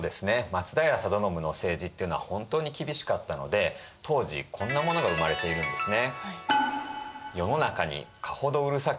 松平定信の政治っていうのは本当に厳しかったので当時こんなものが生まれているんですね。